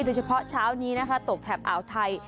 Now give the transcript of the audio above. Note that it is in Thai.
โดยเฉพาะเช้านี้นะคะตกแถบอ่าวไทย